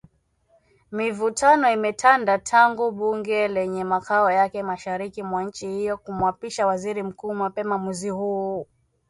Mivutano imetanda tangu bunge lenye makao yake mashariki mwa nchi hiyo kumwapisha Waziri Mkuu mapema mwezi huu